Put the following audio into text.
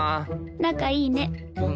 仲いいね。